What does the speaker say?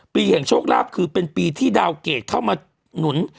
ปีแห่งโชคลาภคือเป็นปีที่ดาวเกรดเข้ามาหนุน